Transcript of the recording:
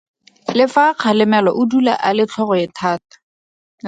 Le fa a kgalemelwa o dula a le tlhogoethata.